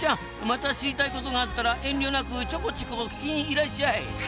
また知りたいことがあったら遠慮なくちょこチコ聞きにいらっしゃい！